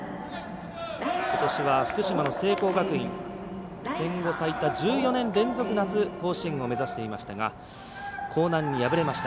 ことしは福島の聖光学院戦後最多１５年連続、甲子園を目指していましたが光南に敗れました。